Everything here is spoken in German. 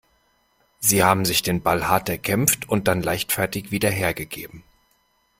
Sie haben sich den Ball hart erkämpft und dann leichtfertig wieder hergegeben.